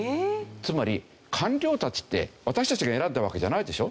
つまり官僚たちって私たちが選んだわけじゃないでしょ。